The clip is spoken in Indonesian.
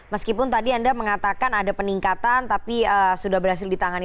meskipun tadi anda mengatakan ada peningkatan tapi sudah berhasil ditangani